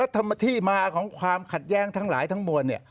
ธรรมที่มาของความขัดแย้งทั้งหลายทั้งมวลเนี่ย